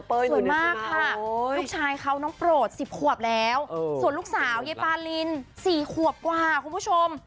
สวยมากค่ะลูกชายเขาน้องโปรด๑๐ขวบแล้วส่วนลูกสาวยายปาริน๔ขวบกว่าคุณผู้ชม